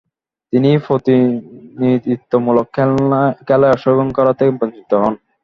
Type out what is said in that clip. তিনি ও প্রতিনিধিত্বমূলক খেলায় অংশগ্রহণ করা থেকে বঞ্চিত হন।